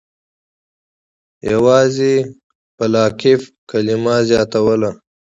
یوازې «بلاکیف» کلمه زیاتوله.